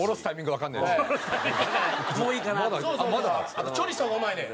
あとチョリソがうまいねん。